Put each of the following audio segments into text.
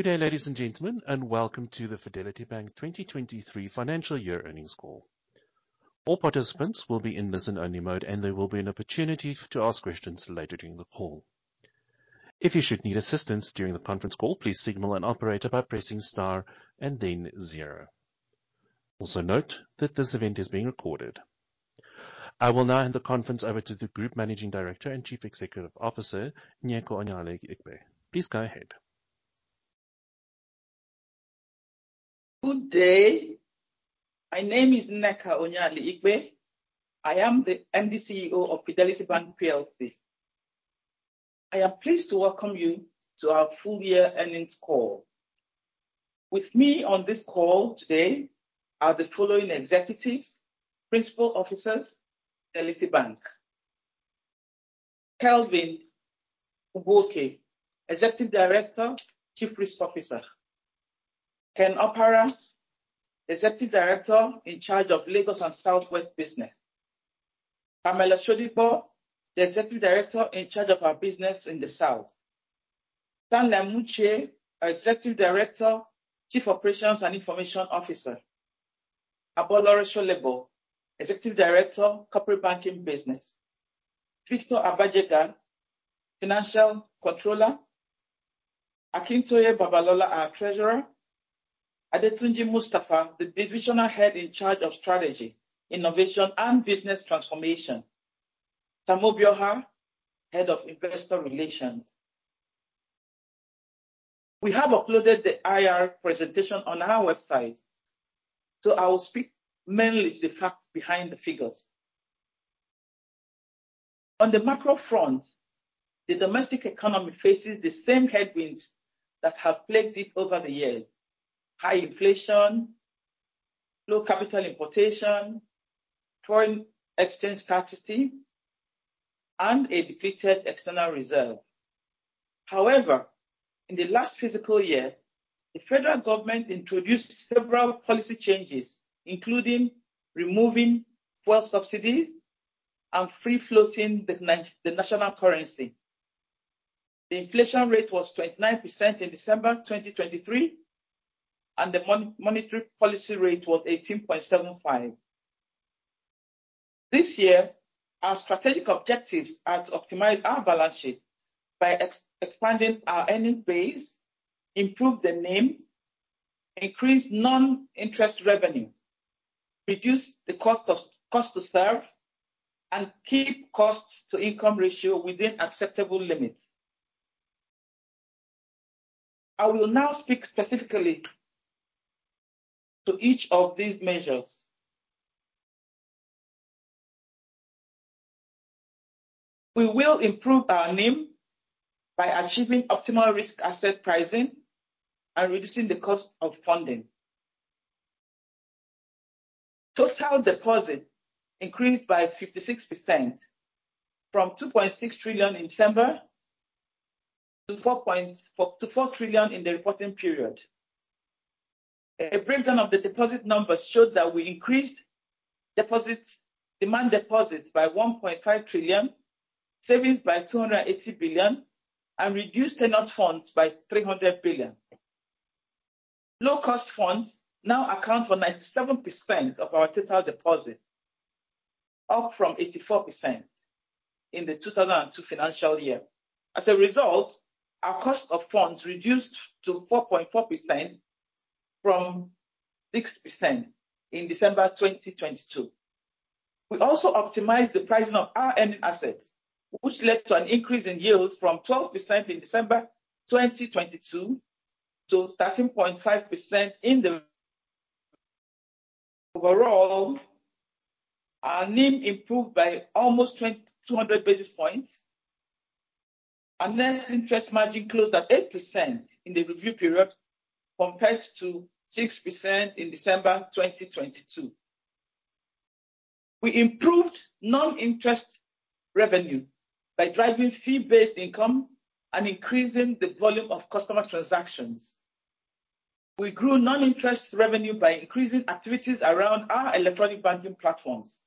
Good day, ladies and gentlemen, and welcome to the Fidelity Bank 2023 financial year earnings call. I will now hand the conference over to the Group Managing Director and Chief Executive Officer, Nneka Onyeali-Ikpe. Please go ahead. Good day. My name is Nneka Onyeali-Ikpe. I am the MD/CEO of Fidelity Bank Plc. I am pleased to welcome you to our full year earnings call. With me on this call today are the following executives, principal officers, Fidelity Bank. Kevin Ugwuoke, Executive Director, Chief Risk Officer. Kenneth Opara, Executive Director in charge of Lagos & South West business. Pamela Shodipo, the Executive Director in charge of our business in the South. Stanley Amuchie, our Executive Director, Chief Operations and Information Officer. Obaro Odeghe, Executive Director, Corporate Banking. Victor Abajega, Financial Controller. Akintoye Babalola, our Treasurer. Adetunji Mustafa, the Divisional Head in charge of Strategy, Innovation and Business Transformation. Tamu Bioha, Head of Investor Relations. We have uploaded the IR presentation on our website. I will speak mainly the facts behind the figures. On the macro front, the domestic economy faces the same headwinds that have plagued it over the years. High inflation, low capital importation, foreign exchange scarcity, and a depleted external reserve. However, in the last fiscal year, the federal government introduced several policy changes, including removing fuel subsidies and free-floating the national currency. The inflation rate was 29% in December 2023, and the monetary policy rate was 18.75. This year, our strategic objectives are to optimize our balance sheet by expanding our earning base, improve the NIM, increase non-interest revenue, reduce the cost to serve, and keep cost-to-income ratio within acceptable limits. I will now speak specifically to each of these measures. We will improve our NIM by achieving optimal risk asset pricing and reducing the cost of funding. Total deposit increased by 56% from 2.6 trillion in December to 4 trillion in the reporting period. A breakdown of the deposit numbers showed that we increased demand deposits by 1.5 trillion, savings by 280 billion, and reduced tenured funds by 300 billion. Low cost funds now account for 97% of our total deposits, up from 84% in the 2022 financial year. As a result, our cost of funds reduced to 4.4% from 6% in December 2022. We also optimized the pricing of our earning assets, which led to an increase in yield from 12% in December 2022 to 13.5%. Overall, our NIM improved by almost 200 basis points. Our net interest margin closed at 8% in the review period, compared to 6% in December 2022. We improved non-interest revenue by driving fee-based income and increasing the volume of customer transactions. We grew non-interest revenue by increasing activities around our electronic banking platforms.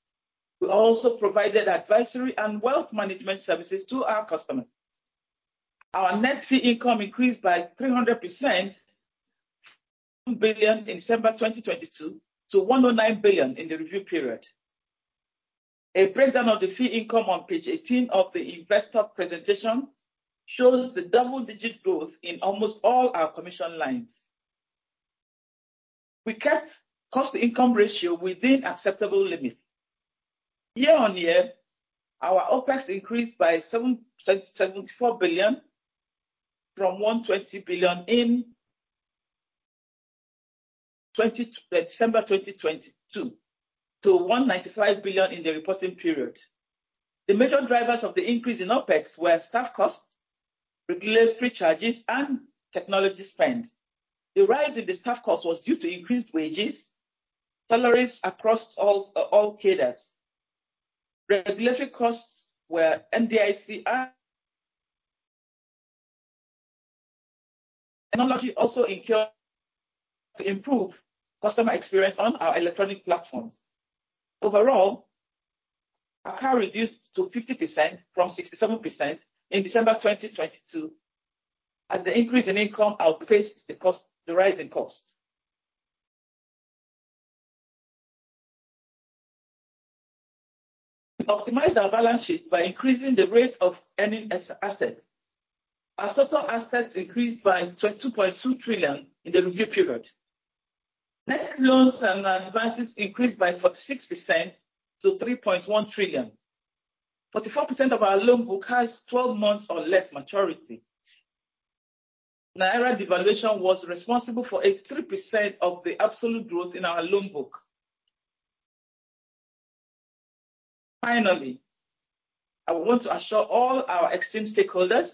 We also provided advisory and wealth management services to our customers. Our net fee income increased by 300%, billion in December 2022 to 109 billion in the review period. A breakdown of the fee income on page 18 of the investor presentation shows the double-digit growth in almost all our commission lines. We kept cost-to-income ratio within acceptable limits. Year-on-year, our OpEx increased by 7.4 billion from 120 billion in December 2022 to 195 billion in the reporting period. The major drivers of the increase in OpEx were staff costs, regulatory charges, and technology spend. The rise in the staff cost was due to increased wages, salaries across all cadres. Regulatory costs were NDIC. Technology also to improve customer experience on our electronic platforms. Overall. Our CAR reduced to 50% from 67% in December 2022 as the increase in income outpaced the rise in cost. We optimized our balance sheet by increasing the rate of earning assets. Our total assets increased by 22.2 trillion in the review period. Net loans and advances increased by 46% to 3.1 trillion. 44% of our loan book has 12 months or less maturity. Naira devaluation was responsible for 83% of the absolute growth in our loan book. Finally, I want to assure all our esteemed stakeholders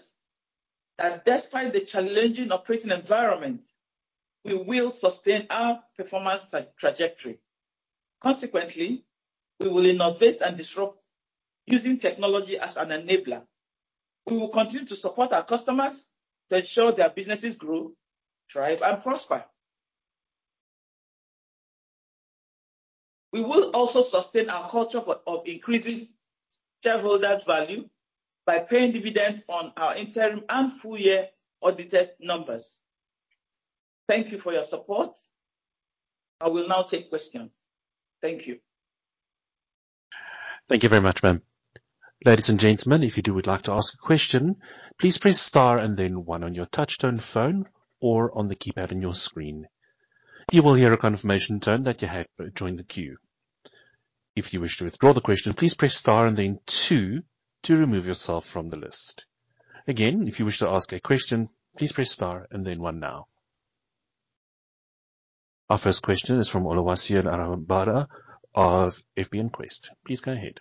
that despite the challenging operating environment, we will sustain our performance trajectory. We will innovate and disrupt using technology as an enabler. We will continue to support our customers to ensure their businesses grow, thrive and prosper. We will also sustain our culture of increasing shareholders' value by paying dividends on our interim and full year audited numbers. Thank you for your support. I will now take questions. Thank you. Thank you very much, ma'am. Ladies and gentlemen, if you would like to ask a question, please press star and then one on your touch-tone phone or on the keypad on your screen. You will hear a confirmation tone that you have joined the queue. If you wish to withdraw the question, please press star and then two to remove yourself from the list. Again, if you wish to ask a question, please press star and then one now. Our first question is from Oluwaseun Aramide of FBNQuest. Please go ahead.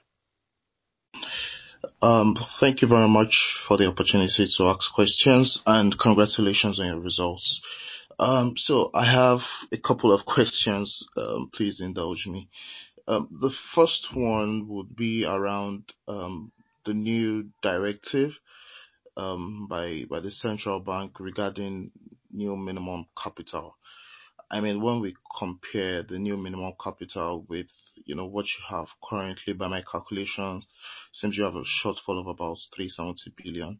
Thank you very much for the opportunity to ask questions. Congratulations on your results. I have a couple of questions. Please indulge me. The first one would be around the new directive by the Central Bank regarding new minimum capital. I mean, when we compare the new minimum capital with, you know, what you have currently, by my calculation, seems you have a shortfall of about 370 billion.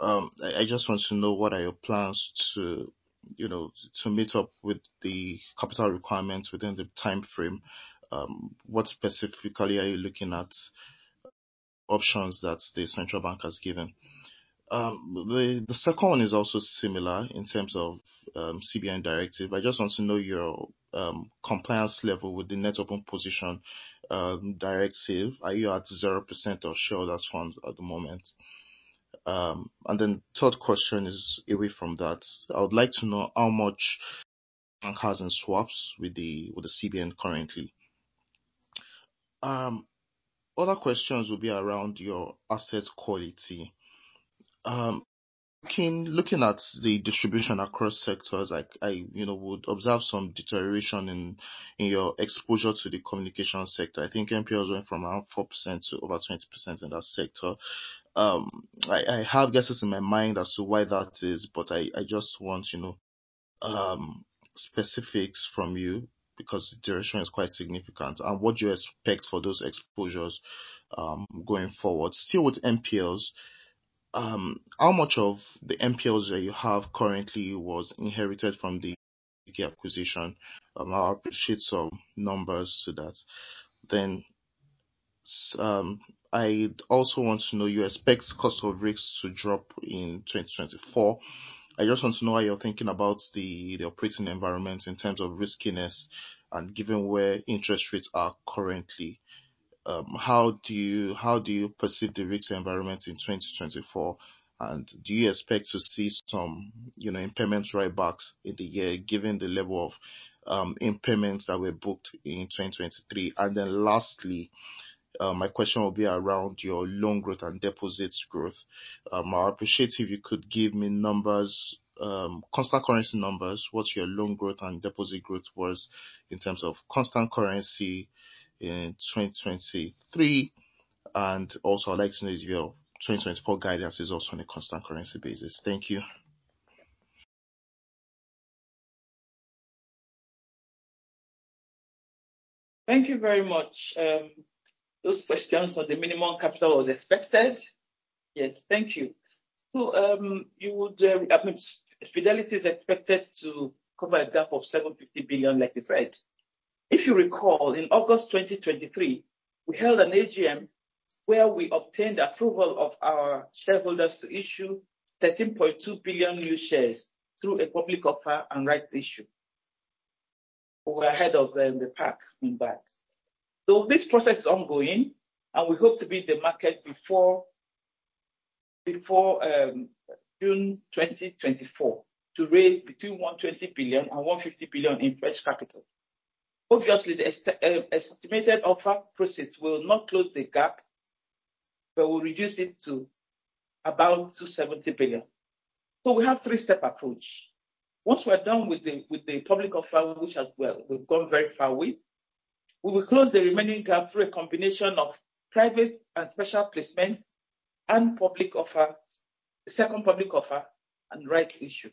I just want to know what are your plans to, you know, to meet up with the capital requirements within the timeframe. What specifically are you looking at options that the Central Bank has given? The second one is also similar in terms of CBN directive. I just want to know your compliance level with the Net Open Position directive. Are you at 0% of shareholders' funds at the moment? Third question is away from that. I would like to know how much bank has in swaps with the CBN currently. Other questions will be around your asset quality. Looking at the distribution across sectors, I, you know, would observe some deterioration in your exposure to the communication sector. I think NPL is going from around 4% to over 20% in that sector. I have guesses in my mind as to why that is, I just want, you know, specifics from you because the direction is quite significant and what you expect for those exposures going forward. Still with NPLs, how much of the NPLs that you have currently was inherited from the GT acquisition? I'll appreciate some numbers to that. I'd also want to know, you expect cost of risks to drop in 2024. I just want to know how you're thinking about the operating environment in terms of riskiness and given where interest rates are currently. How do you, how do you perceive the rates environment in 2024, and do you expect to see some, you know, impairments right back in the year given the level of impairments that were booked in 2023? My question will be around your loan growth and deposits growth. I'll appreciate if you could give me numbers, constant currency numbers. What your loan growth and deposit growth was in terms of constant currency in 2023, and also I'd like to know if your 2024 guidance is also on a constant currency basis? Thank you. Thank you very much. Those questions on the minimum capital was expected. Yes. Thank you. I mean, Fidelity is expected to cover a gap of 750 billion like you said. If you recall, in August 2023, we held an AGM where we obtained approval of our shareholders to issue 13.2 billion new shares through a public offer and rights issue. This process is ongoing, and we hope to be in the market before June 2024 to raise between 120 billion and 150 billion in fresh capital. Obviously, the estimated offer proceeds will not close the gap, but will reduce it to about 270 billion. We have three-step approach. Once we're done with the public offer, which as well we've gone very far with, we will close the remaining gap through a combination of private and special placement and public offer, second public offer and right issue.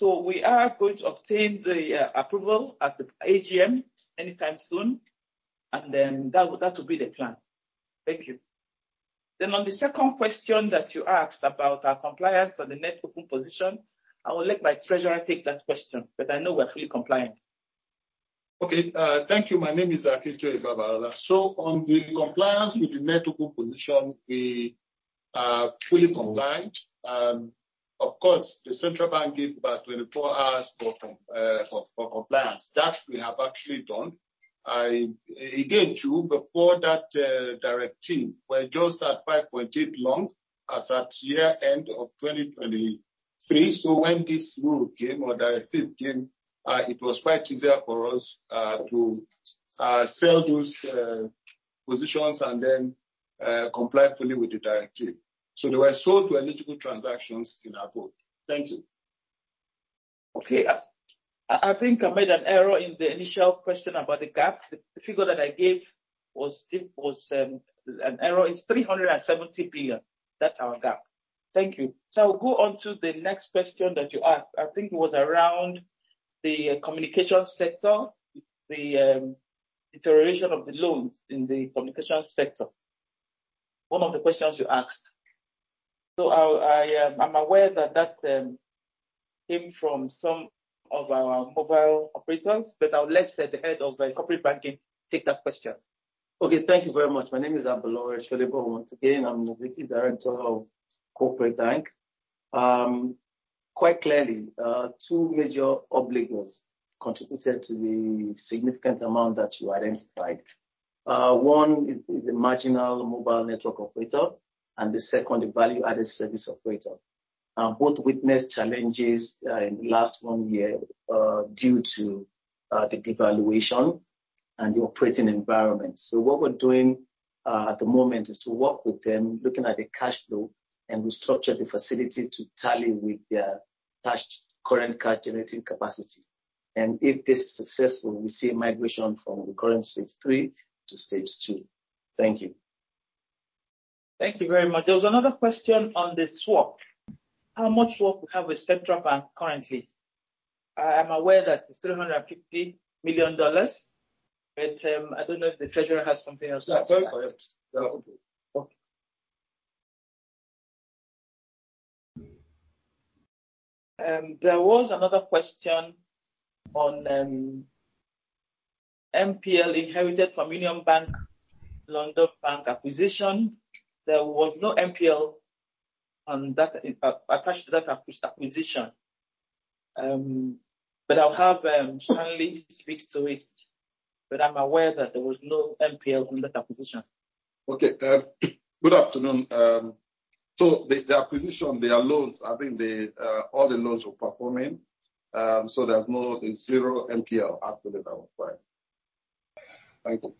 We are going to obtain the approval at the AGM anytime soon, and then that will be the plan. Thank you. On the second question that you asked about our compliance and the Net Open Position, I will let my treasurer take that question, but I know we're fully compliant. Okay. Thank you. My name is Akintoye Babalola. On the compliance with the Net Open Position, we are fully compliant. Of course, the Central Bank gave about 24 hours for compliance. That we have actually done. Again, too, before that directive, we're just at 5.8 long as at year end of 2023. When this rule came or directive came, it was quite easier for us to sell those positions and then comply fully with the directive. They were sold to eligible transactions in our book. Thank you. Okay. I think I made an error in the initial question about the gap. The figure that I gave was an error. It's 370 billion. That's our gap. Thank you. I'll go on to the next question that you asked. I think it was around the communications sector, the iteration of the loans in the communications sector. One of the questions you asked. I'll... I'm aware that that came from some of our mobile operators, but I'll let the head of the Corporate Banking take that question. Okay, thank you very much. My name is Obaro Odeghe. Once again, I'm the Deputy Director of Corporate Bank. Quite clearly, two major obligors contributed to the significant amount that you identified. One is the marginal mobile network operator, and the second, the value-added service operator. Both witnessed challenges in the last one year due to the devaluation and the operating environment. What we're doing at the moment is to work with them, looking at the cash flow, and restructure the facility to tally with their cash current cash generating capacity. If this is successful, we see a migration from the current Stage 3 to Stage 2. Thank you. Thank you very much. There was another question on the swap. How much swap we have with Central Bank currently? I'm aware that it's $350 million. I don't know if the treasurer has something else to add to that. Yeah. Go ahead. Yeah. Okay. There was another question on NPL inherited from Union Bank U.K. acquisition. There was no NPL on that attached to that acquisition. I'll have Stanley speak to it, but I'm aware that there was no NPL on that acquisition. Okay. Good afternoon. The, the acquisition, their loans, I think they, all the loans were performing. It's zero NPL. After that, I will find. Thank you.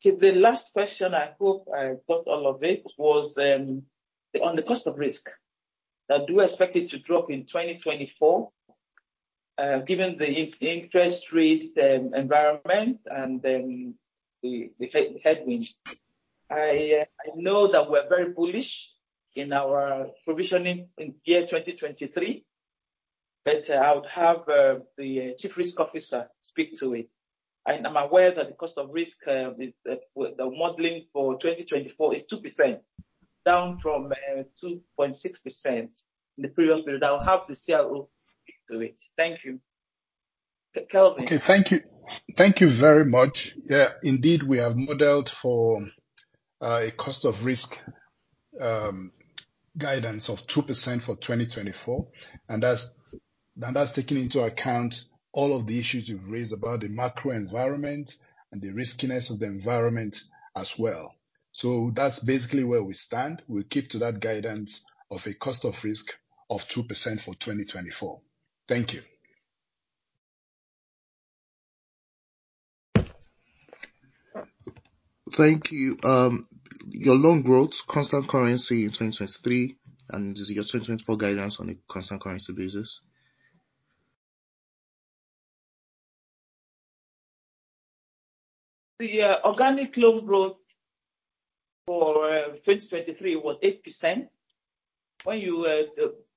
Oh, great. Okay. The last question, I hope I got all of it, was on the cost of risk. Now, do you expect it to drop in 2024, given the interest rate environment and the headwinds? I know that we're very bullish in our provisioning in year 2023, but I would have the Chief Risk Officer speak to it. I'm aware that the cost of risk, with the modeling for 2024 is 2%, down from 2.6% in the previous period. I'll have the CRO speak to it. Thank you. Kevin. Okay. Thank you. Thank you very much. Yeah. Indeed, we have modeled for a cost of risk guidance of 2% for 2024, and that's taking into account all of the issues you've raised about the macro environment and the riskiness of the environment as well. That's basically where we stand. We'll keep to that guidance of a cost of risk of 2% for 2024. Thank you. Thank you. Your loan growth, constant currency in 2023, and this is your 2024 guidance on a constant currency basis. The organic loan growth for 2023 was 8%. When you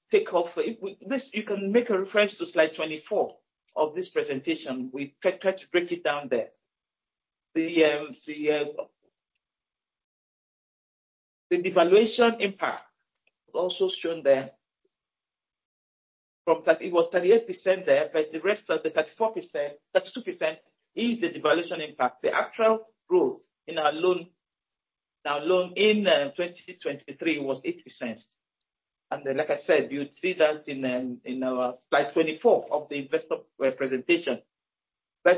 take off... This, you can make a reference to slide 24 of this presentation. We try to break it down there. The devaluation impact is also shown there. It was 38% there, but the rest of the 34%, 32% is the devaluation impact. The actual growth in our loan, our loan in 2023 was 8%. Like I said, you'd see that in our slide 24 of the investor presentation.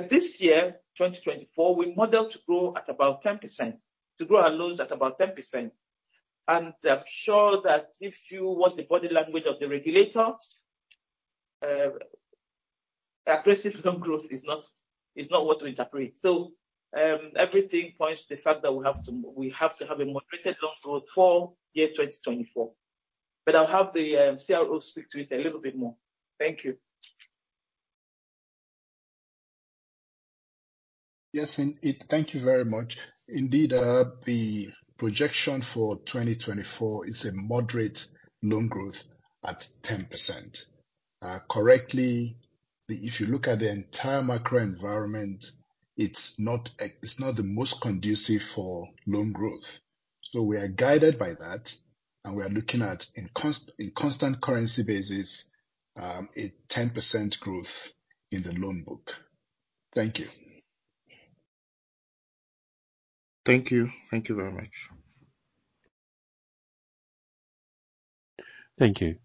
This year, 2024, we modeled to grow at about 10%, to grow our loans at about 10%. I'm sure that if you watch the body language of the regulator, aggressive loan growth is not what we interpret. Everything points to the fact that we have to have a moderated loan growth for year 2024. I'll have the CRO speak to it a little bit more. Thank you. Yes, thank you very much. Indeed, the projection for 2024 is a moderate loan growth at 10%. Correctly, if you look at the entire macro environment, it's not the most conducive for loan growth. We are guided by that, and we are looking at in constant currency basis, a 10% growth in the loan book. Thank you. Thank you. Thank you very much. Thank you.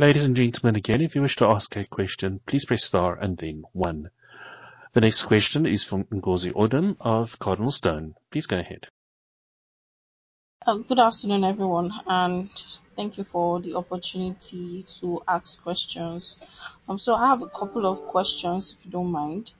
Ladies and gentlemen, again, if you wish to ask a question, please press star and then one. The next question is from Ngozi Odum of CardinalStone. Please go ahead. Good afternoon, everyone, and thank you for the opportunity to ask questions. I have a couple of questions, if you don't mind.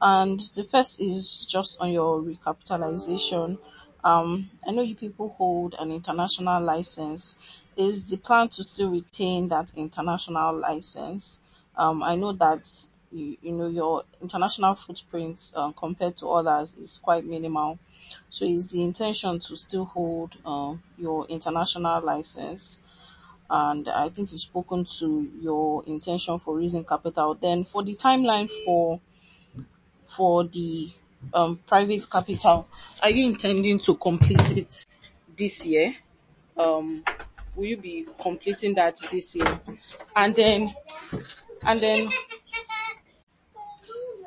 The first is just on your recapitalization. I know you people hold an international license. Is the plan to still retain that international license? I know that, you know, your international footprint, compared to others is quite minimal. Is the intention to still hold your international license? I think you've spoken to your intention for raising capital. For the timeline for the private capital, are you intending to complete it this year? Will you be completing that this year?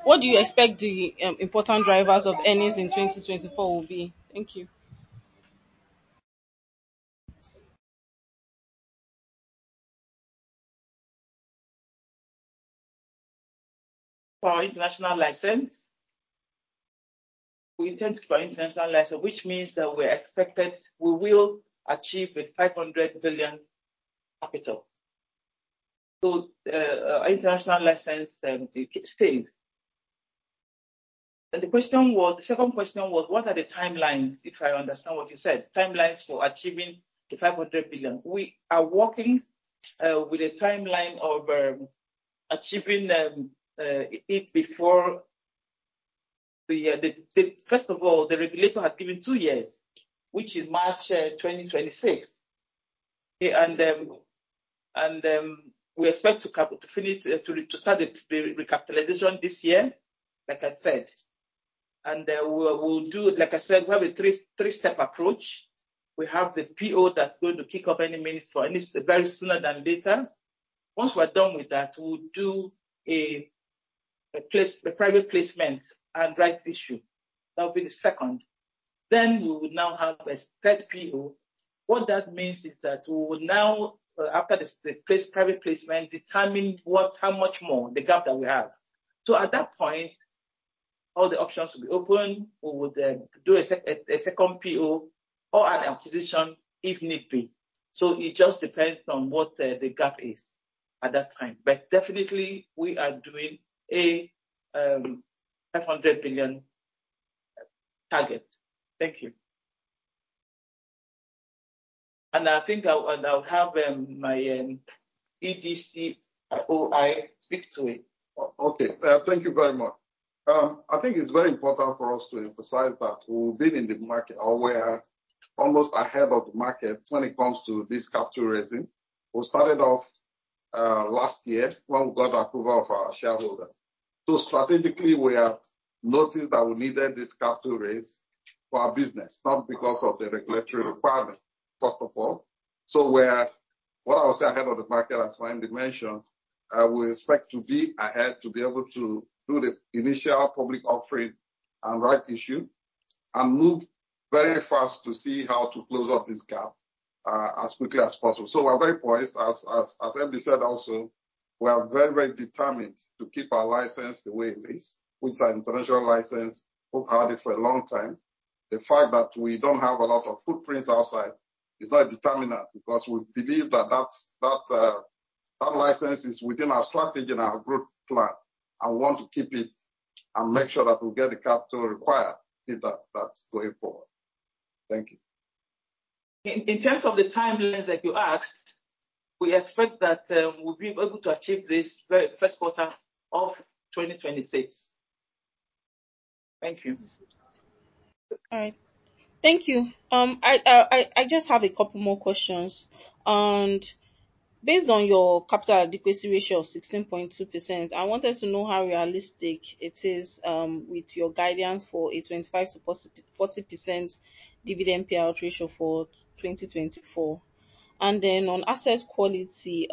What do you expect the important drivers of earnings in 2024 will be? Thank you. For our international license. We intend to keep our international license, which means that we will achieve a 500 billion capital. International license, it stays. The second question was what are the timelines, if I understand what you said, timelines for achieving the 500 billion. We are working with a timeline of achieving it before First of all, the regulator has given two years, which is March 2026. We expect to finish to start the recapitalization this year, like I said. We'll do. Like I said, we have a three-step approach. We have the PO that's going to kick off any minute for at least very sooner than later. Once we're done with that, we'll do a private placement and rights issue. That will be the second. We will now have a third PO. What that means is that we will now, after the private placement, determine what, how much more, the gap that we have. At that point, all the options will be open. We would do a second PO or an acquisition if need be. It just depends on what the gap is at that time. Definitely we are doing a 500 billion target. Thank you. I think I'll have my EDC, OI speak to it. Okay. Thank you very much. I think it's very important for us to emphasize that we've been in the market, or we are almost ahead of the market when it comes to this capital raising. We started off last year when we got approval of our shareholder. Strategically, we have noticed that we needed this capital raise for our business, not because of the regulatory requirement, first of all. We're, what I would say, ahead of the market, as MD mentioned. We expect to be ahead to be able to do the initial public offering and right issue and move very fast to see how to close up this gap as quickly as possible. We're very poised. As MD said also, we are very determined to keep our license the way it is, which is our international license. We've had it for a long time. The fact that we don't have a lot of footprints outside is not a determinant because we believe that that's, that license is within our strategy and our growth plan, and we want to keep it and make sure that we get the capital required if that's going forward. Thank you. In terms of the timelines that you asked, we expect that we'll be able to achieve this first quarter of 2026. Thank you. All right. Thank you. I just have a couple more questions. Based on your capital adequacy ratio of 16.2%, I wanted to know how realistic it is with your guidance for a 25%-40% dividend payout ratio for 2024. On asset quality,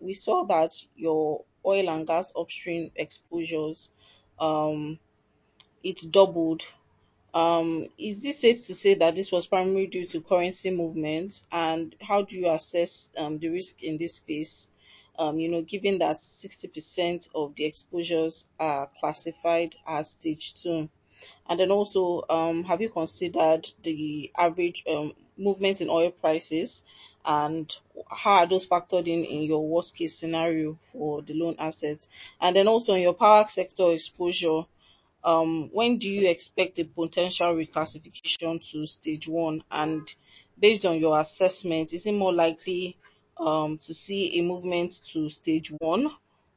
we saw that your oil and gas upstream exposures, it doubled. Is it safe to say that this was primarily due to currency movements? How do you assess the risk in this space, you know, given that 60% of the exposures are classified as Stage two? Also, have you considered the average movement in oil prices, and how are those factored in in your worst-case scenario for the loan assets? In your power sector exposure, when do you expect a potential reclassification to Stage 1? Based on your assessment, is it more likely to see a movement to Stage 1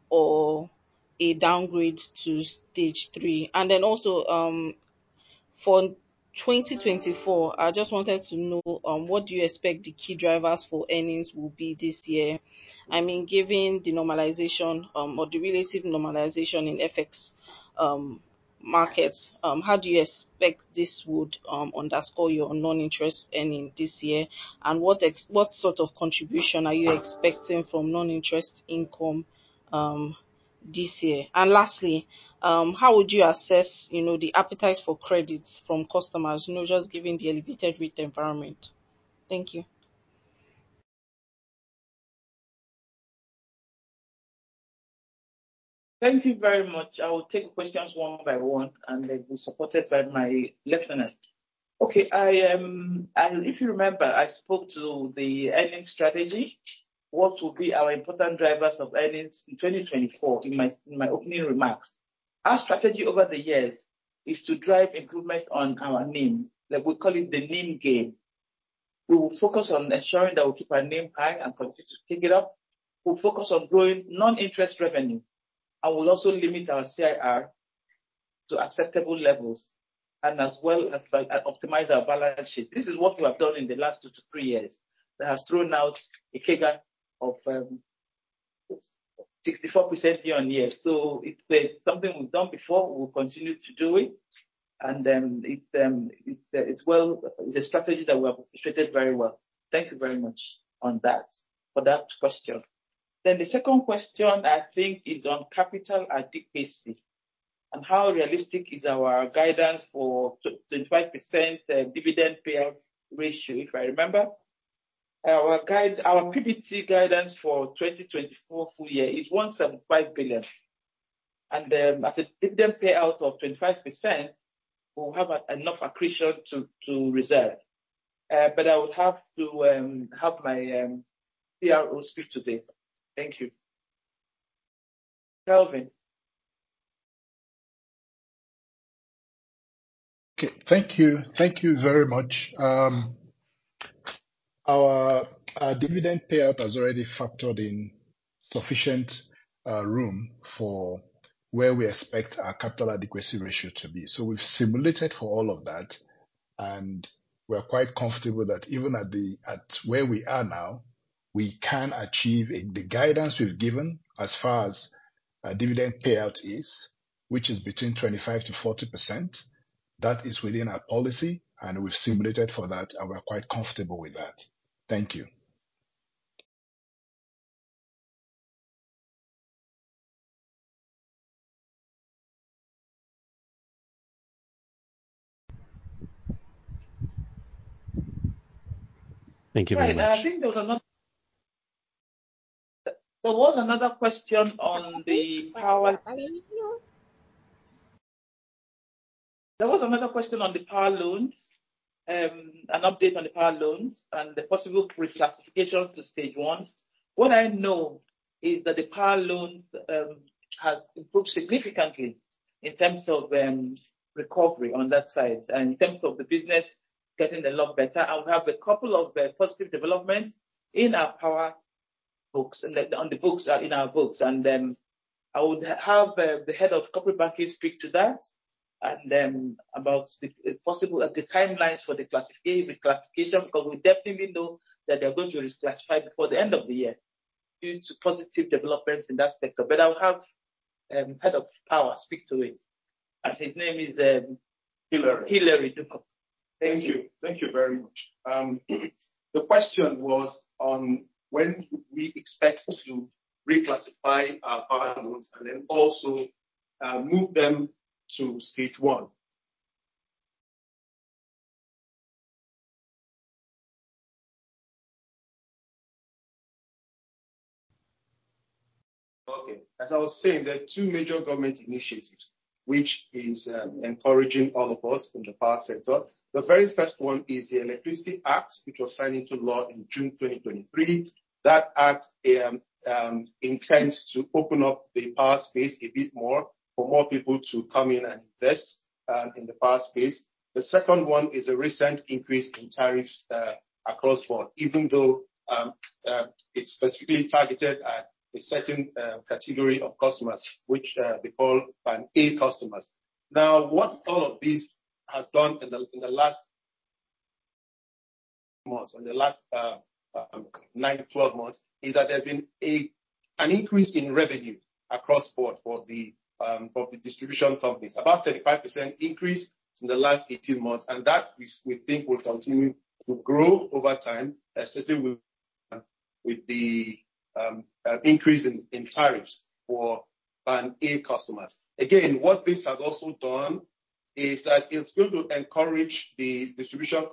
or a downgrade to Stage 3? For 2024, I just wanted to know what do you expect the key drivers for earnings will be this year? I mean, given the normalization, or the relative normalization in FX markets, how do you expect this would underscore your non-interest earning this year? What sort of contribution are you expecting from non-interest income this year? Lastly, how would you assess, you know, the appetite for credits from customers, you know, just given the elevated rate environment? Thank you. Thank you very much. I will take questions one by one, and they'll be supported by my lieutenant. Okay. If you remember, I spoke to the earnings strategy, what will be our important drivers of earnings in 2024 in my opening remarks. Our strategy over the years is to drive improvement on our NIM. Like, we call it the NIM game. We will focus on ensuring that we keep our NIM high and continue to take it up. We'll focus on growing non-interest revenue, we'll also limit our CIR to acceptable levels and as well as, like, optimize our balance sheet. This is what we have done in the last two to three years. That has thrown out a CAGR of 64% year on year. It's been something we've done before. We'll continue to do it. It's a strategy that we have executed very well. Thank you very much on that, for that question. The second question I think is on capital adequacy and how realistic is our guidance for 2025, 25% dividend payout ratio, if I remember. Our PBT guidance for 2024 full year is 175 billion. At a dividend payout of 25%, we'll have enough accretion to reserve. I would have to have my CRO speak to this. Thank you. Kevin? Okay. Thank you. Thank you very much. Our dividend payout has already factored in sufficient room for where we expect our capital adequacy ratio to be. We've simulated for all of that, and we're quite comfortable that even at where we are now, we can achieve the guidance we've given as far as our dividend payout is, which is between 25%-40%. That is within our policy, and we've simulated for that, and we're quite comfortable with that. Thank you. Thank you very much. Sorry, I think there was another question on the power loans, an update on the power loans and the possible reclassification to Stage 1. What I know is that the power loans have improved significantly in terms of recovery on that side and in terms of the business getting a lot better. We have a couple of positive developments in our power books, like, on the books, in our books. I would have the Head of Corporate Banking speak to that, and about possible the timelines for the reclassification, because we definitely know that they're going to reclassify before the end of the year due to positive developments in that sector. I will have head of power speak to it. His name is. Hillary. Hillary Dukor. Thank you. Thank you very much. The question was on when do we expect to reclassify our power loans and then also, move them to Stage 1. As I was saying, there are two major government initiatives which is encouraging all of us in the power sector. The very first one is the Electricity Act, which was signed into law in June 2023. That act intends to open up the power space a bit more for more people to come in and invest in the power space. The second one is a recent increase in tariffs across board, even though it's specifically targeted at a certain category of customers, which we call Band A customers. What all of this has done in the last months, in the last nine to 12 months, is that there's been an increase in revenue across board for the distribution companies. 35% increase in the last 18 months, we think will continue to grow over time, especially with the increase in tariffs for Band A customers. What this has also done is that it's going to encourage distribution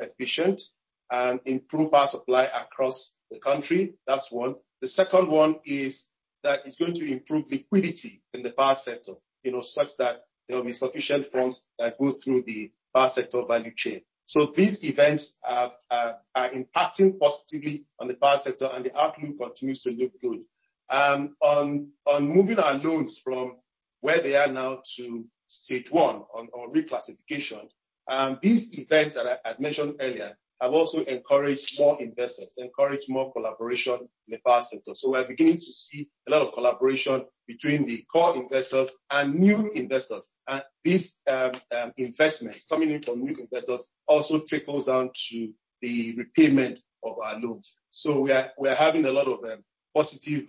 efficiency and improve power supply across the country. That's one. The second one is that it's going to improve liquidity in the power sector, you know, such that there will be sufficient funds that go through the power sector value chain. These events are impacting positively on the power sector, the outlook continues to look good. On moving our loans from where they are now to Stage 1 on reclassification. These events that I'd mentioned earlier have also encouraged more investors, encouraged more collaboration in the power sector. We're beginning to see a lot of collaboration between the core investors and new investors. These investments coming in from new investors also trickles down to the repayment of our loans. We are having a lot of positive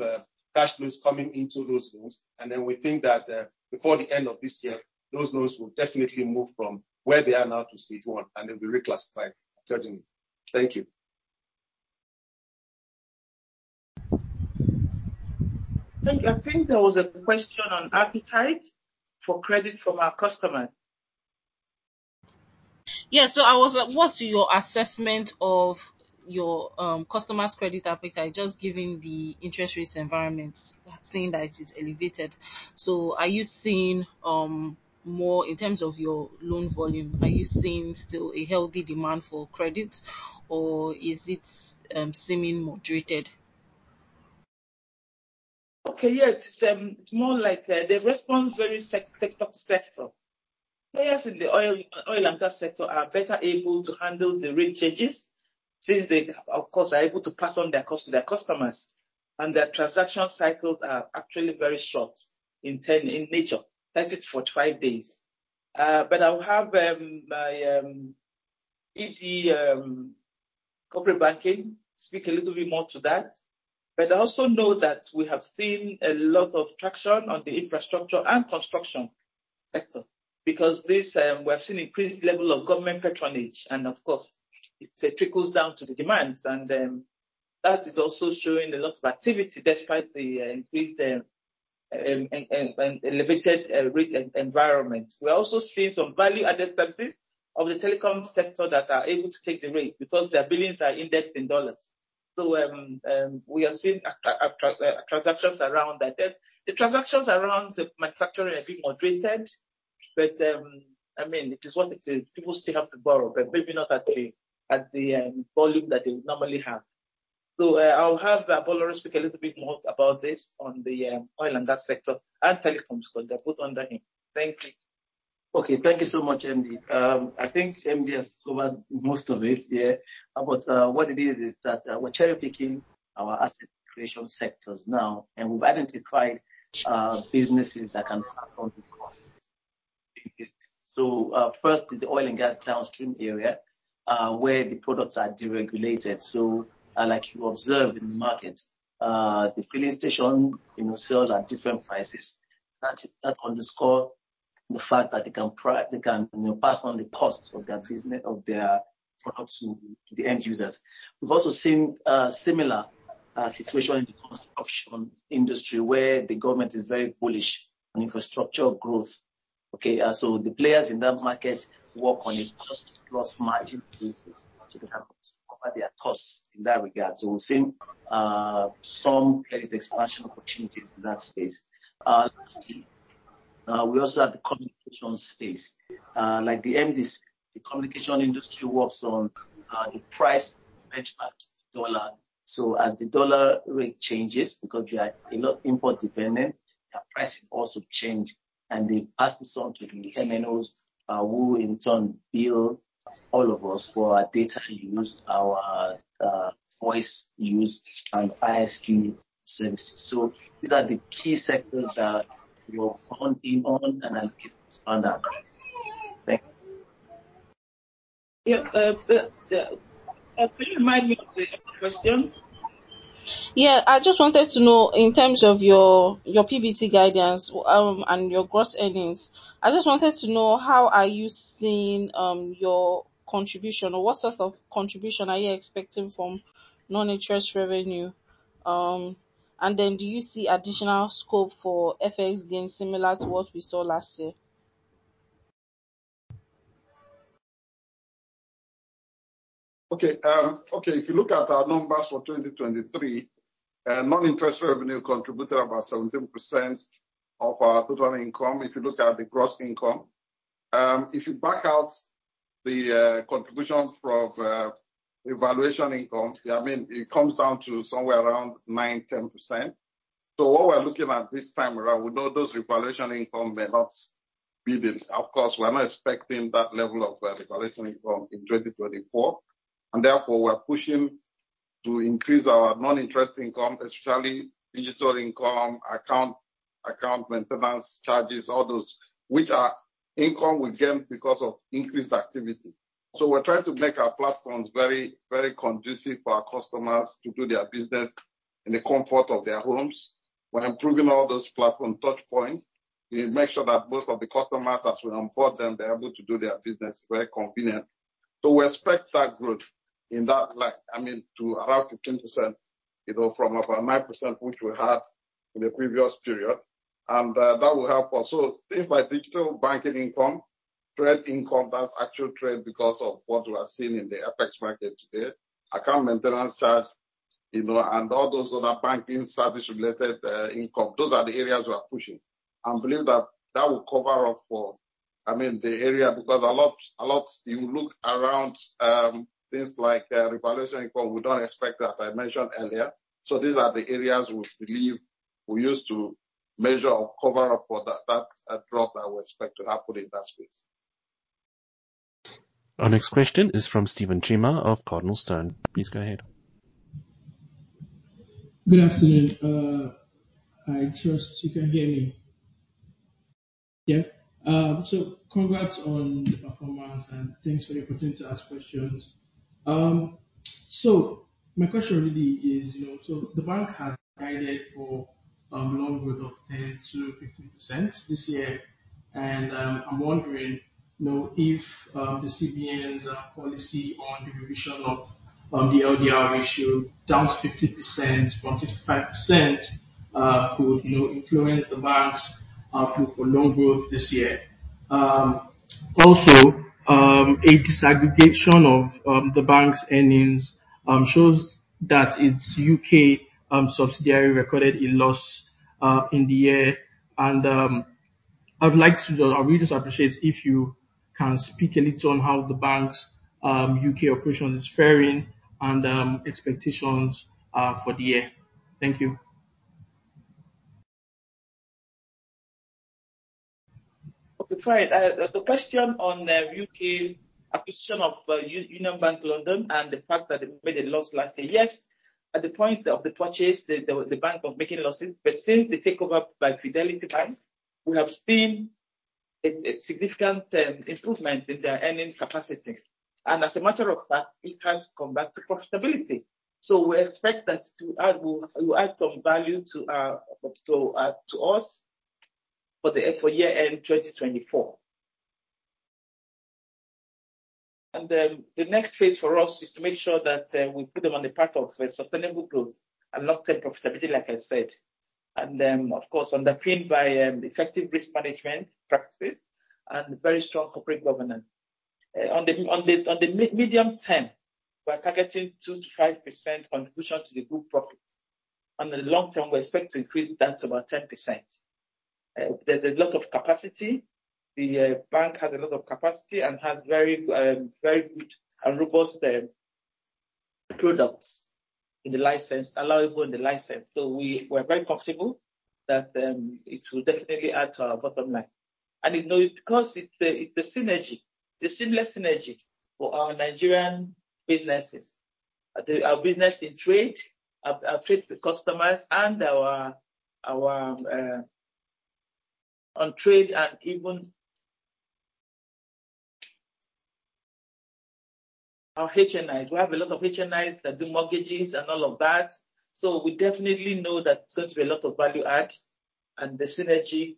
cash flows coming into those loans. We think that before the end of this year, those loans will definitely move from where they are now to Stage 1, and they'll be reclassified accordingly. Thank you. Thank you. I think there was a question on appetite for credit from our customers. What's your assessment of your customers' credit appetite, just given the interest rates environment, saying that it is elevated? Are you seeing more in terms of your loan volume, are you seeing still a healthy demand for credit or is it seeming moderated? Okay, yeah. It's, it's more like the response varies sector to sector. Players in the oil and gas sector are better able to handle the rate changes since they, of course, are able to pass on their cost to their customers, and their transactional cycles are actually very short in turn in nature, 30-45 days. I'll have my EC, Corporate Banking, speak a little bit more to that. I also know that we have seen a lot of traction on the infrastructure and construction sector because this, we're seeing increased level of government patronage and of course it trickles down to the demands and that is also showing a lot of activity despite the increased elevated rate environment. We are also seeing some value-added services of the telecom sector that are able to take the rate because their billings are indexed in U.S. dollars. We are seeing transactions around that debt. The transactions around the manufacturing are a bit moderated. I mean, it is what it is. People still have to borrow, but maybe not at the volume that they would normally have. I'll have Obaro Odeghe speak a little bit more about this on the oil and gas sector and telecoms because they're both under him. Thank you. Okay. Thank you so much, MD. I think MD has covered most of it, yeah. What it is that we're cherry-picking our asset creation sectors now, and we've identified businesses that can absorb these costs. First is the oil and gas downstream area, where the products are deregulated. Like you observe in the market, the filling station, you know, sells at different prices. That's, that underscore the fact that they can, you know, pass on the costs of their business, of their product to the end users. We've also seen a similar situation in the construction industry where the government is very bullish on infrastructure growth. Okay. The players in that market work on a cost plus margin basis so they can cover their costs in that regard. We're seeing some credit expansion opportunities in that space. Lastly, we also have the communication space. Like the MD said, the communication industry works on the price benchmark to the dollar. As the dollar rate changes, because we are a lot import dependent, their pricing also change, and they pass this on to the MNOs, who in turn bill all of us for our data use, our Myvoice use and ISQ services. These are the key sectors that we're counting on and then keep expanding. Thank you. Yeah. Could you remind me of the questions? Yeah. I just wanted to know in terms of your PBT guidance and your gross earnings, I just wanted to know how are you seeing your contribution or what sort of contribution are you expecting from non-interest revenue? Do you see additional scope for FX gain similar to what we saw last year? If you look at our numbers for 2023, non-interest revenue contributed about 17% of our total income. If you look at the gross income, if you back out the contribution from revaluation income, it comes down to somewhere around 9%, 10%. What we're looking at this time around, we know those revaluation income may not be the. Of course, we're not expecting that level of revaluation income in 2024, and therefore we're pushing to increase our non-interest income, especially digital income, account maintenance charges, all those, which are income we gain because of increased activity. We're trying to make our platforms very conducive for our customers to do their business in the comfort of their homes. We're improving all those platform touch point. We make sure that most of the customers, as we onboard them, they're able to do their business very convenient. We expect that growth in that light. I mean, to around 15%, you know, from about 9%, which we had in the previous period, and that will help us. Things like digital banking income, trade income, that's actual trade because of what we are seeing in the FX market today, account maintenance charge, you know, and all those other banking service related income, those are the areas we are pushing. Believe that that will cover up for I mean, the area because a lot. You look around, things like revaluation report, we don't expect, as I mentioned earlier. These are the areas we believe we use to measure or cover up for that drop that we expect to happen in that space. Our next question is from Stephen Chima of CardinalStone. Please go ahead. Good afternoon. I trust you can hear me. Yeah. Congrats on the performance, and thanks for the opportunity to ask questions. My question really is, you know, the bank has guided for loan growth of 10%-15% this year, and I'm wondering, you know, if the CBN's policy on the revision of the LDR ratio down to 50% from 65% could, you know, influence the bank's output for loan growth this year. Also, a disaggregation of the bank's earnings shows that its U.K. subsidiary recorded a loss in the year and we just appreciate if you can speak a little on how the bank's U.K. operations is faring and expectations for the year. Thank you. Okay. Fine. The question on the U.K. acquisition of Union Bank UK, and the fact that it made a loss last year. Yes. At the point of the purchase, the bank was making losses, but since the takeover by Fidelity Bank, we have seen a significant improvement in their earning capacity. As a matter of fact, it has come back to profitability. We expect that we'll add some value to us for year-end 2024. The next phase for us is to make sure that we put them on the path of a sustainable growth and long-term profitability, like I said. Of course, underpinned by effective risk management practices and very strong corporate governance. On the medium term, we're targeting 2%-5% contribution to the group profit. On the long term, we expect to increase that to about 10%. There's a lot of capacity. The bank has a lot of capacity and has very good and robust products in the license, allowable in the license. We're very positive that it will definitely add to our bottom line. You know, because it's a synergy, it's a similar synergy for our Nigerian businesses. Our business in trade, our trade customers and our on trade and even our HNI. We have a lot of HNIs that do mortgages and all of that. We definitely know that there's going to be a lot of value add and the synergy.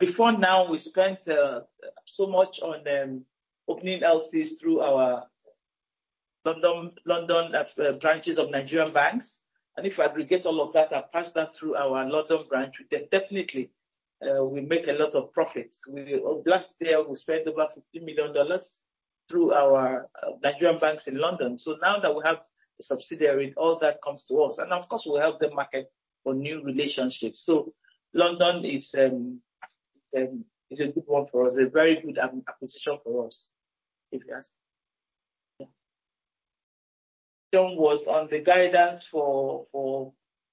Before now, we spent so much on opening LCs through our London branches of Nigerian banks. If we aggregate all of that and pass that through our London branch, we definitely make a lot of profits. Last year, we spent about $50 million through our Nigerian banks in London. Now that we have a subsidiary, all that comes to us. Of course, we'll help them market for new relationships. London is a good one for us, a very good acquisition for us, if you ask. Yeah. Johan was on the guidance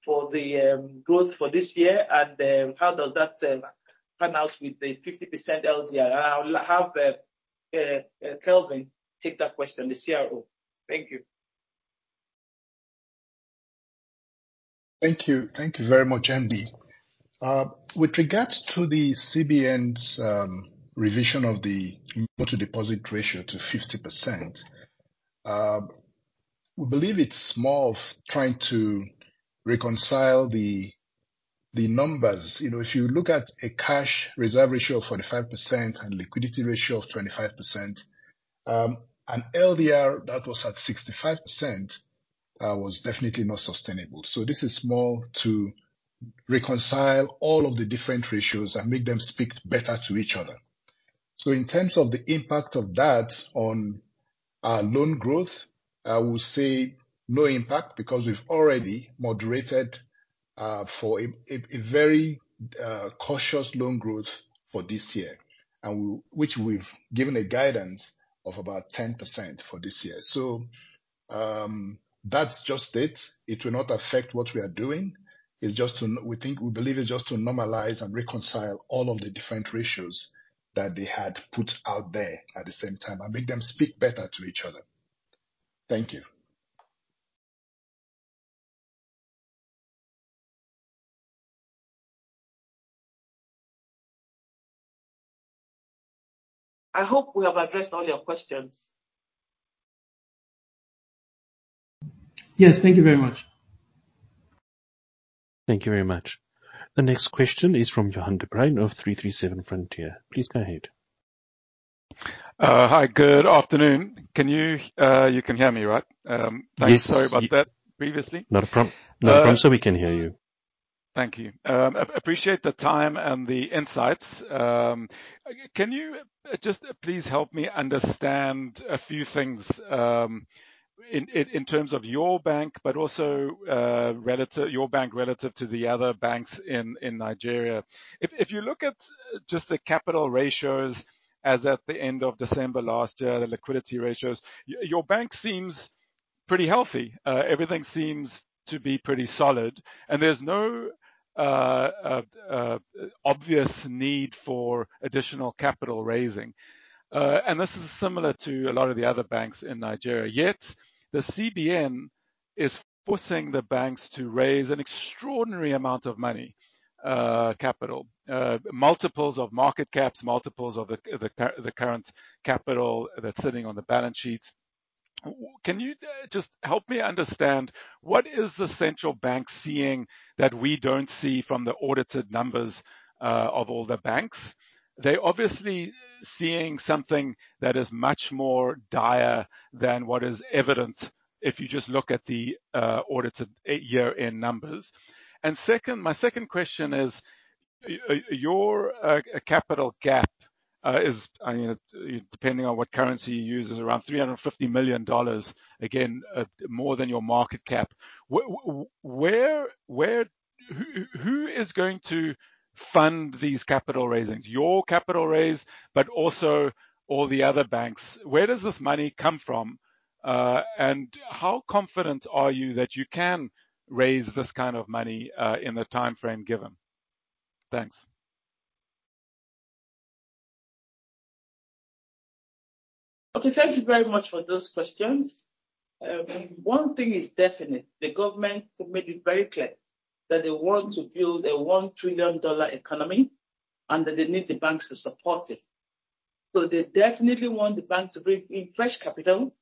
for the growth for this year and how does that pan out with the 50% LDR. I'll have Kevin take that question, the CRO. Thank you. Thank you. Thank you very much, MD. With regards to the CBN's revision of the loan-to-deposit ratio to 50%, we believe it's more of trying to reconcile the numbers. You know, if you look at a cash reserve ratio of 45% and liquidity ratio of 25%, an LDR that was at 65% was definitely not sustainable. This is more to reconcile all of the different ratios and make them speak better to each other. In terms of the impact of that on our loan growth, I will say no impact because we've already moderated for a very cautious loan growth for this year and which we've given a guidance of about 10% for this year. That's just it. It will not affect what we are doing. We think, we believe it's just to normalize and reconcile all of the different ratios that they had put out there at the same time and make them speak better to each other. Thank you. I hope we have addressed all your questions. Yes. Thank you very much. Thank you very much. The next question is from Johan de Bruijn of 337 Frontier. Please go ahead. Hi. Good afternoon. You can hear me, right? Yes. Sorry about that previously. Not a problem. Uh- Not a problem, sir. We can hear you. Thank you. Appreciate the time and the insights. Can you just please help me understand a few things in terms of your bank, but also Your bank relative to the other banks in Nigeria. If you look at just the capital ratios as at the end of December last year, the liquidity ratios, your bank seems pretty healthy. Everything seems to be pretty solid, and there's no obvious need for additional capital raising. This is similar to a lot of the other banks in Nigeria. The CBN is forcing the banks to raise an extraordinary amount of money, capital, multiples of market caps, multiples of the current capital that's sitting on the balance sheets. Can you just help me understand what is the central bank seeing that we don't see from the audited numbers of all the banks? They're obviously seeing something that is much more dire than what is evident if you just look at the audited year-end numbers. Second, my second question is, your capital gap is, I mean, depending on what currency you use, is around $350 million, again, more than your market cap. Where, who is going to fund these capital raisings? Your capital raise, but also all the other banks. Where does this money come from? How confident are you that you can raise this kind of money in the timeframe given? Thanks. Thank you very much for those questions. One thing is definite. The government made it very clear that they want to build a one trillion dollar economy, and that they need the banks to support it. They definitely want the bank to bring in fresh capital,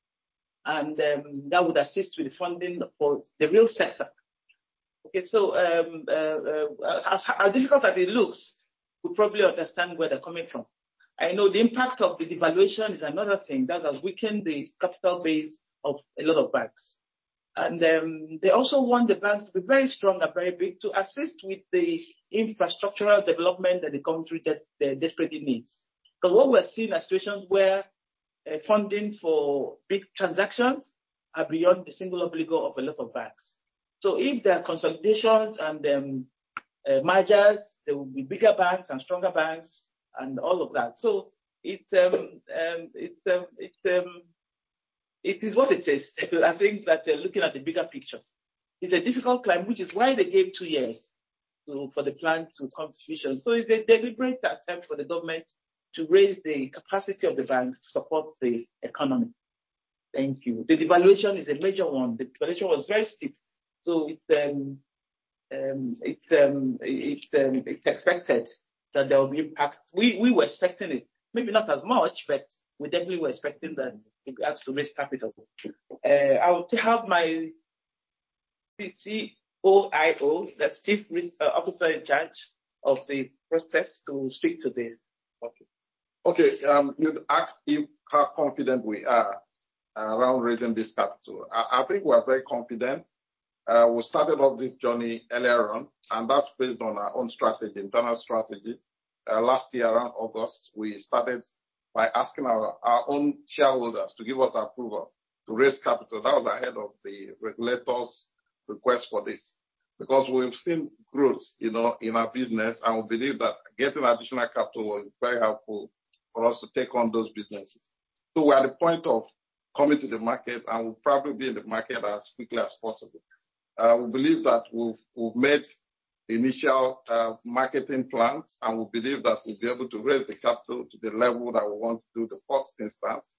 and that would assist with the funding for the real sector. As difficult as it looks, we probably understand where they're coming from. I know the impact of the devaluation is another thing that has weakened the capital base of a lot of banks. They also want the banks to be very strong and very big to assist with the infrastructural development that the country desperately needs. What we're seeing are situations where funding for big transactions are beyond the single obligor of a lot of banks. If there are consolidations and mergers, there will be bigger banks and stronger banks and all of that. It is what it is. I think that they're looking at the bigger picture. It's a difficult climb, which is why they gave two years for the plan to come to fruition. It's a deliberate attempt for the government to raise the capacity of the banks to support the economy. Thank you. The devaluation is a major one. The devaluation was very steep. It's expected that there will be impact. We were expecting it, maybe not as much, but we definitely were expecting that we had to raise capital. I will have my Chief Risk Officer in charge of the process to speak to this. You asked if how confident we are around raising this capital. I think we are very confident. We started off this journey earlier on, that's based on our own strategy, internal strategy. Last year, around August, we started by asking our own shareholders to give us approval to raise capital. That was ahead of the regulators' request for this because we've seen growth, you know, in our business, and we believe that getting additional capital will be very helpful for us to take on those businesses. We're at the point of coming to the market, and we'll probably be in the market as quickly as possible. We believe that we've met initial marketing plans, and we believe that we'll be able to raise the capital to the level that we want to do the first instance.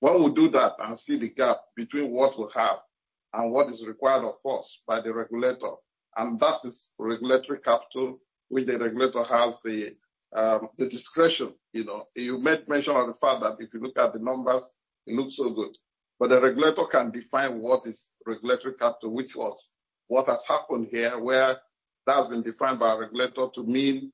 When we do that and see the gap between what we have and what is required of us by the regulator, that is regulatory capital, which the regulator has the discretion. You know, you made mention of the fact that if you look at the numbers, it looks so good. The regulator can define what is regulatory capital, which was what has happened here, where that has been defined by our regulator to mean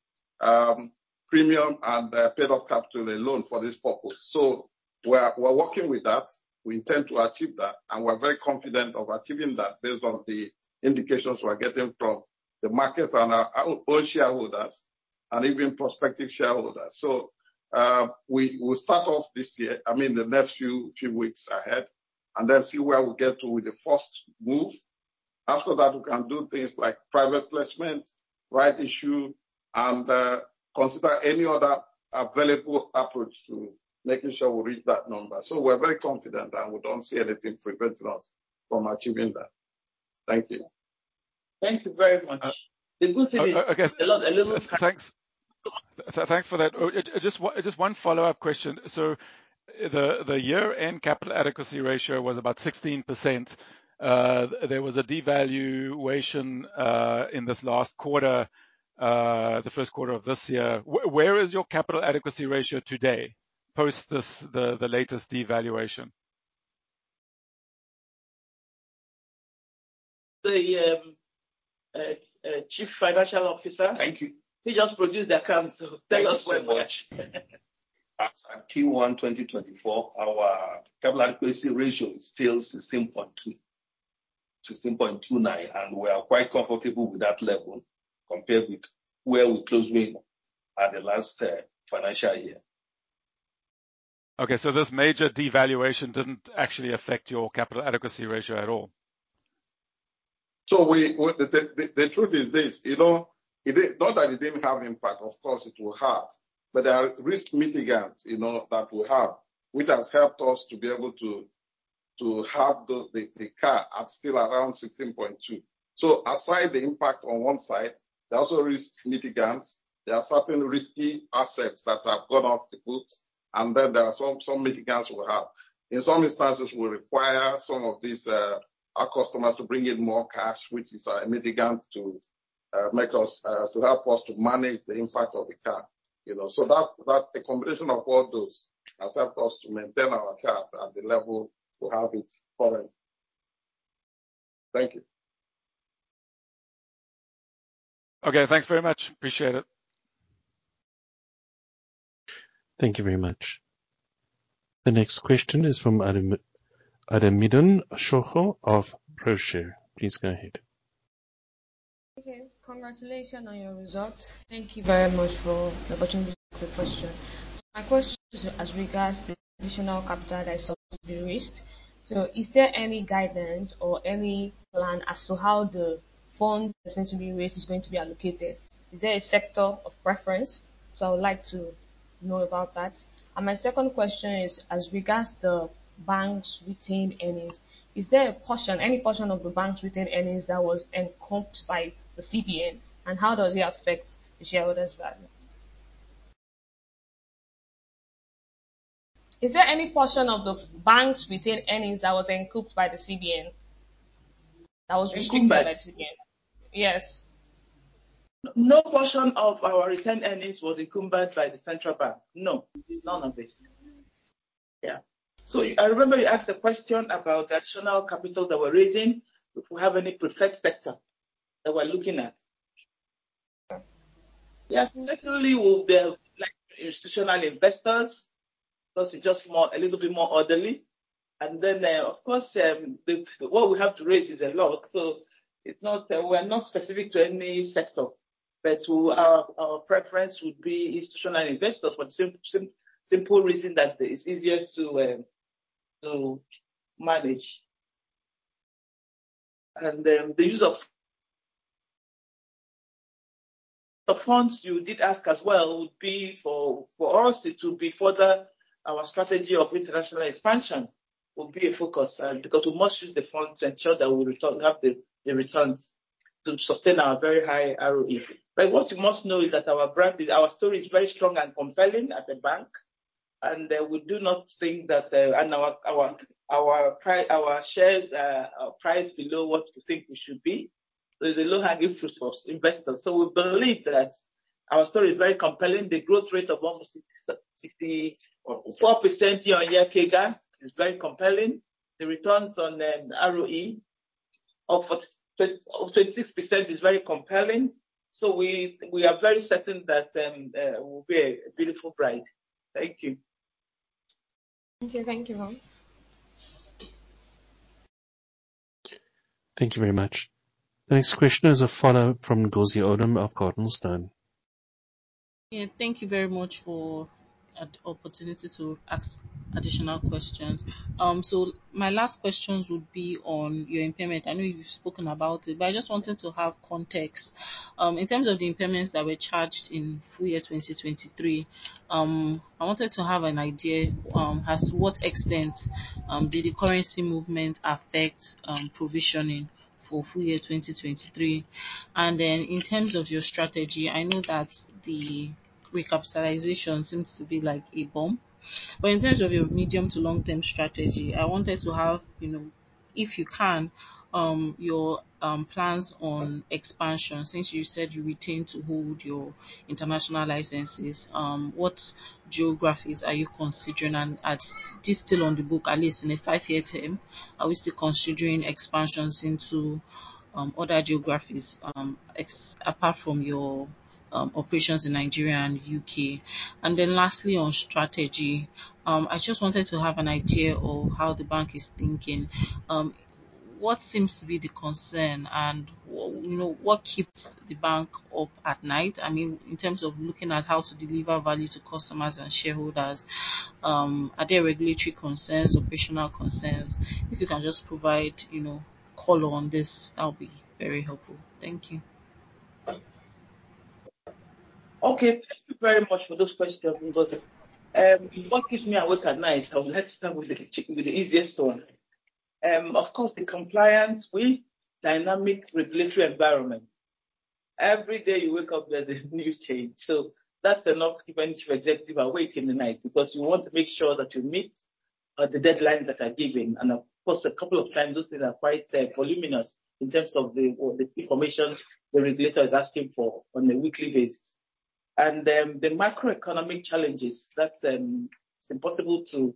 premium and paid up capital alone for this purpose. We're working with that. We intend to achieve that, and we're very confident of achieving that based on the indications we're getting from the markets and our own shareholders and even prospective shareholders. We start off this year, the next few weeks ahead, and then see where we get to with the first move. After that, we can do things like private placement, rights issue, and consider any other available approach to making sure we reach that number. We're very confident, and we don't see anything preventing us from achieving that. Thank you. Thank you very much. Uh- The good thing is. Okay. A lot, a little. Thanks. Thanks for that. Just one, just one follow-up question. The year-end capital adequacy ratio was about 16%. There was a devaluation in this last quarter, the first quarter of this year. Where is your capital adequacy ratio today, post this, the latest devaluation? The Chief Financial Officer Thank you. He just produced the accounts, so tell us when. At Q1 2024, our capital adequacy ratio is still 16.29%, and we are quite comfortable with that level compared with where we closed in at the last financial year. Okay, this major devaluation didn't actually affect your capital adequacy ratio at all? The truth is this, you know, not that it didn't have impact, of course it will have. There are risk mitigants, you know, that we have, which has helped us to be able to have the CAR at still around 16.2. Aside the impact on one side, there are also risk mitigants. There are certain risky assets that have gone off the books, and then there are some mitigants we have. In some instances, we require some of these, our customers to bring in more cash, which is a mitigant to make us to help us to manage the impact of the CAR, you know. That's a combination of all those has helped us to maintain our CAR at the level to have it current. Thank you. Okay, thanks very much. Appreciate it. Thank you very much. The next question is from Ademidun Sojo of ProShare. Please go ahead. Okay. Congratulations on your results. Thank you very much for the opportunity to ask a question. My question is as regards to the additional capital that is sought to be raised. Is there any guidance or any plan as to how the fund that's going to be raised is going to be allocated? Is there a sector of preference? I would like to know about that. My second question is as regards to banks' retained earnings, is there a portion, any portion of the banks' retained earnings that was encumbered by the CBN, and how does it affect the shareholders' value? Is there any portion of the banks' retained earnings that was encumbered by the CBN? Encumbered? -encumbered by the CBN. Yes. No portion of our retained earnings was encumbered by the central bank. No. None of it. Yeah. I remember you asked a question about the additional capital that we're raising, if we have any preferred sector that we're looking at. Yes, certainly we'll be like institutional investors, because it's just more, a little bit more orderly. Of course, what we have to raise is a lot, so it's not, we're not specific to any sector. Our preference would be institutional investors for the simple reason that it's easier to manage. The use of the funds you did ask as well would be for us, it would be further our strategy of international expansion will be a focus, because we must use the funds to ensure that we have the returns to sustain our very high ROE. What you must know is that our brand is, our story is very strong and compelling as a bank, we do not think that. Our shares are priced below what we think we should be. There's a lot of interest from investors. We believe that our story is very compelling. The growth rate of almost 60 or 12% year-on-year CAGR is very compelling. The returns on ROE of 26% is very compelling. We are very certain that, we'll be a beautiful bride. Thank you. Thank you. Thank you, ma'am. Thank you very much. The next question is a follow-up from Ngozi Odum of CardinalStone. Yeah, thank you very much for an opportunity to ask additional questions. My last questions would be on your impairment. I know you've spoken about it, but I just wanted to have context. In terms of the impairments that were charged in full year 2023, I wanted to have an idea, as to what extent, did the currency movement affect provisioning for full year 2023. Then in terms of your strategy, I know that the recapitalization seems to be like a bomb. In terms of your medium to long-term strategy, I wanted to have, you know, if you can, your plans on expansion. Since you said you intend to hold your international licenses, what geographies are you considering? At this still on the book, at least in a five-year term, are we still considering expansions into other geographies, apart from your operations in Nigeria and U.K.? Lastly on strategy, I just wanted to have an idea of how the bank is thinking. What seems to be the concern and you know, what keeps the bank up at night? I mean, in terms of looking at how to deliver value to customers and shareholders, are there regulatory concerns, operational concerns? If you can just provide, you know, color on this, that would be very helpful. Thank you. Okay. Thank you very much for those questions, Ngozi. What keeps me awake at night? I will have to start with the easiest one. Of course, the compliance with dynamic regulatory environment. Every day you wake up, there's a new change. That cannot keep any Chief Executive awake in the night because you want to make sure that you meet the deadlines that are given. Of course, a couple of times those things are quite voluminous in terms of the information the regulator is asking for on a weekly basis. The macroeconomic challenges, that's impossible to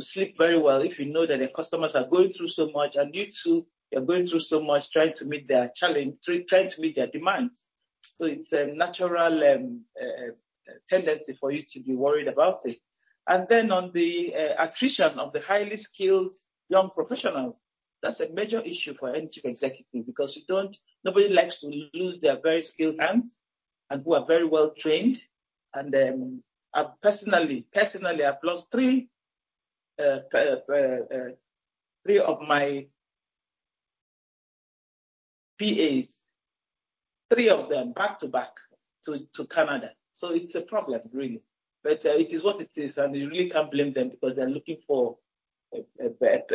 sleep very well if you know that your customers are going through so much and you too are going through so much trying to meet their challenge, trying to meet their demands. It's a natural tendency for you to be worried about it. On the attrition of the highly skilled young professionals, that's a major issue for any chief executive because nobody likes to lose their very skilled hands and who are very well trained. I personally, I've lost three of my PAs, three of them back-to-back to Canada. It's a problem, really. It is what it is, and you really can't blame them because they're looking for a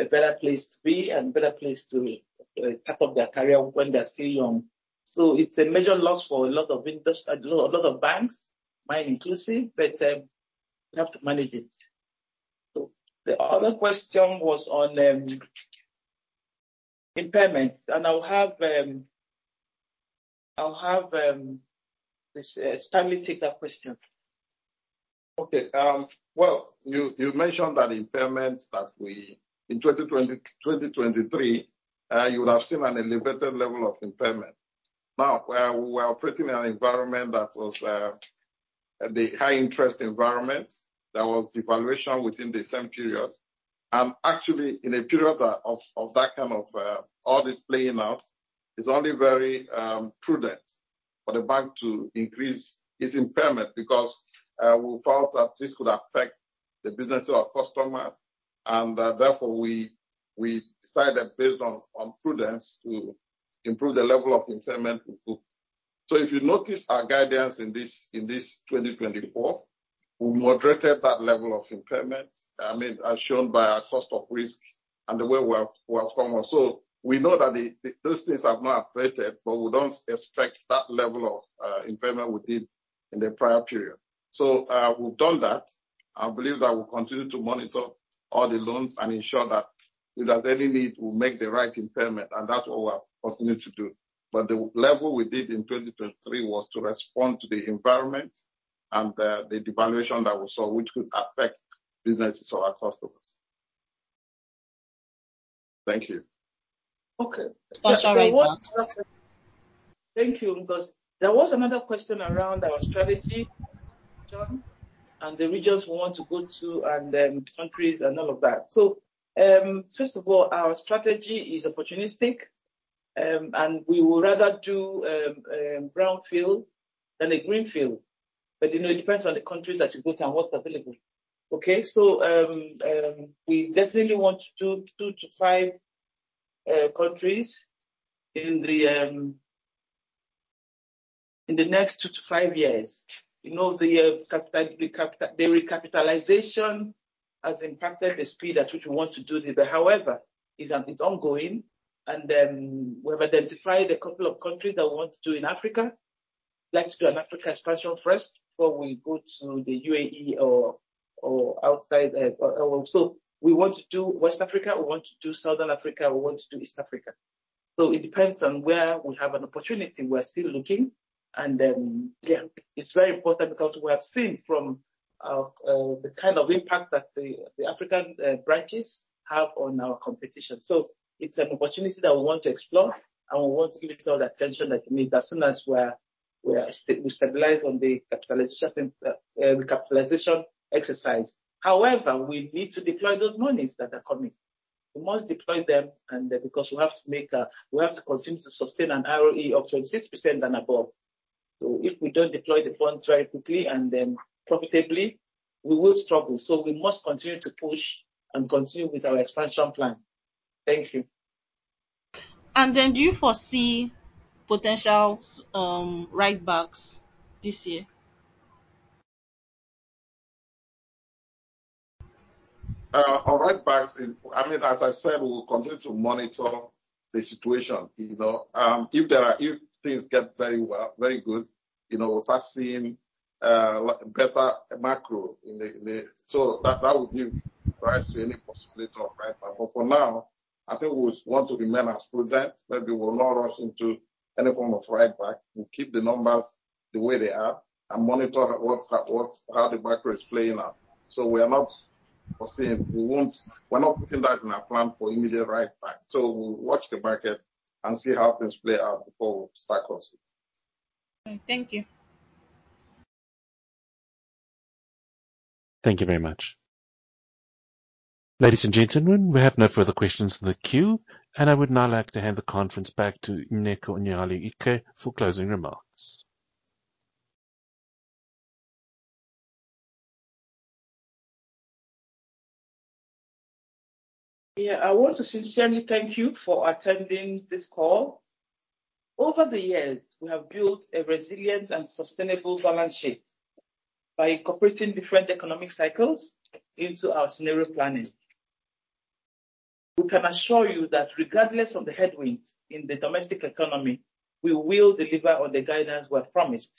better place to be and better place to kick off their career when they're still young. It's a major loss for a lot of industry, a lot of banks, mine inclusive, but we have to manage it. The other question was on impairments, and I'll have Stanley take that question. Okay. Well, you mentioned that impairments. In 2020, 2023, you would have seen an elevated level of impairment. We are operating in an environment that was the high interest environment. There was devaluation within the same period. Actually, in a period of that kind of all this playing out, it's only very prudent for the bank to increase its impairment because we felt that this could affect the businesses of our customers. Therefore, we decided based on prudence to improve the level of impairment we put. If you notice our guidance in this 2024, we moderated that level of impairment. I mean, as shown by our cost of risk and the way we are performing. Those things have not affected. We don't expect that level of impairment we did in the prior period. We've done that. I believe that we'll continue to monitor all the loans and ensure that if there's any need, we'll make the right impairment, and that's what we'll continue to do. The level we did in 2023 was to respond to the environment and the devaluation that we saw, which could affect businesses of our customers. Thank you. Okay. Star, share right back. Thank you. Because there was another question around our strategy, Johan? The regions we want to go to and countries and all of that. First of all, our strategy is opportunistic, and we would rather do a brownfield than a greenfield. You know, it depends on the country that you go to and what's available. Okay? We definitely want to do two to five countries in the next two to five years. You know, the recapitalization has impacted the speed at which we want to do this. However, it's ongoing, and we have identified a couple of countries that we want to do in Africa. Let's do an Africa expansion first before we go to the UAE or outside. We want to do West Africa, we want to do Southern Africa, we want to do East Africa. It depends on where we have an opportunity. We're still looking. Yeah, it's very important because we have seen from the kind of impact that the African branches have on our competition. It's an opportunity that we want to explore, and we want to give it all the attention that it needs as soon as we stabilize on the recapitalization exercise. However, we need to deploy those monies that are coming. We must deploy them because we have to make, we have to continue to sustain an ROE of 26% and above. If we don't deploy the funds very quickly and profitably, we will struggle. We must continue to push and continue with our expansion plan. Thank you. Do you foresee potential write-backs this year? I mean, as I said, we will continue to monitor the situation. You know, if things get very well, very good, you know, we start seeing better macro. That will give rise to any possibility of write back. For now, I think we want to remain as prudent, that we will not rush into any form of write back. We'll keep the numbers the way they are and monitor how the macro is playing out. We are not putting that in our plan for immediate write back. We'll watch the market and see how things play out before we start processing. All right. Thank you. Thank you very much. Ladies and gentlemen, we have no further questions in the queue. I would now like to hand the conference back to Nneka Onyeali-Ikpe for closing remarks. I want to sincerely thank you for attending this call. Over the years, we have built a resilient and sustainable balance sheet by incorporating different economic cycles into our scenario planning. We can assure you that regardless of the headwinds in the domestic economy, we will deliver on the guidance we have promised.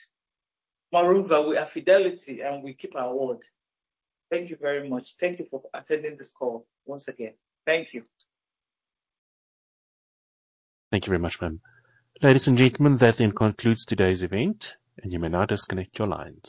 Moreover, we are Fidelity, and we keep our word. Thank you very much. Thank you for attending this call once again. Thank you. Thank you very much, ma'am. Ladies and gentlemen, that then concludes today's event, and you may now disconnect your lines.